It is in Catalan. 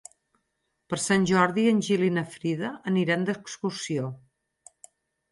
Per Sant Jordi en Gil i na Frida aniran d'excursió.